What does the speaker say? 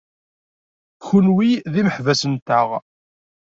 Kenwi d imeḥbas-nteɣ.